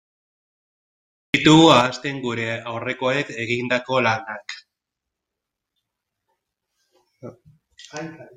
Ez ditugu ahazten gure aurrekoek egindako lanak.